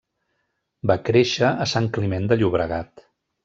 Va créixer a Sant Climent de Llobregat.